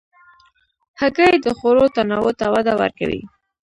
هګۍ د خوړو تنوع ته وده ورکوي.